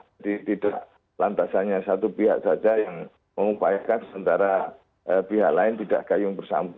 jadi tidak lantasannya satu pihak saja yang memupayakan sementara pihak lain tidak kayu bersama